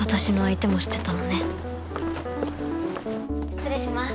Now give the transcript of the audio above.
失礼します